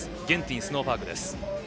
ゲンティンスノーパークです。